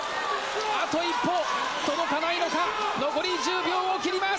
あと一歩届かないのか、残り１０秒を切ります。